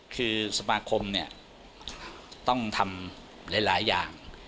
คือสมาคมเนี่ยต้องทำหลายอย่าง